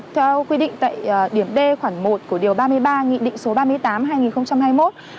theo quy định tại điểm d khoản một của điều ba mươi ba nghị định số ba mươi tám hai nghìn hai mươi một